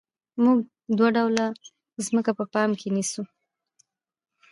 موږ دوه ډوله ځمکه په پام کې نیسو